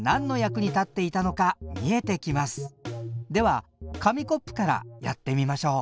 するとそれがでは紙コップからやってみましょう。